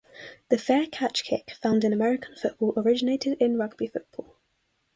The fair catch kick found in American football originated in rugby football.